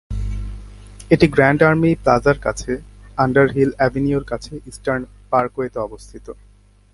এটি grand army প্লাজার কাছে আন্ডারহিল এভিনিউয়ের কাছে ইস্টার্ন পার্কওয়েতে অবস্থিত।